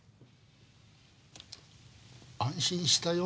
安心したよ